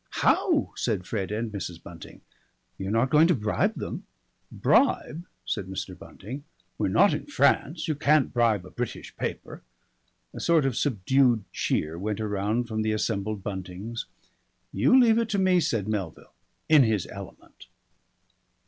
"How?" said Fred and Mrs. Bunting. "You're not going to bribe them!" "Bribe!" said Mr. Bunting. "We're not in France. You can't bribe a British paper." (A sort of subdued cheer went around from the assembled Buntings.) "You leave it to me," said Melville, in his element.